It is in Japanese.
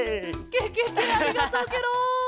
ケケケありがとうケロ！